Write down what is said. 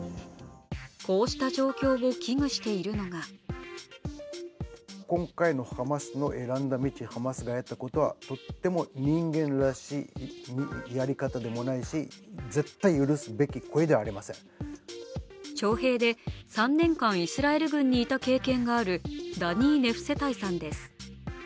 こうした状況を危惧しているのが徴兵で３年間イスラエル軍にいた経験があるダニー・ネフセタイさんです。